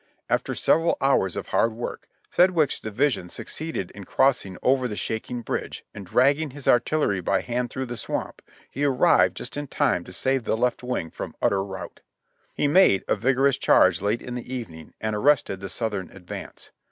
After several hours of hard work, Sedgwick's division succeeded in crossing over the shaking bridge, and dragging his artillery by hand through the swamp, he arrived just in time to save the left wing from utter rout. He made a vigorous charge late in the evening and arrested the Southern advance.